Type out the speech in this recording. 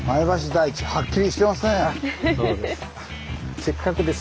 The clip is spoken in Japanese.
そうです。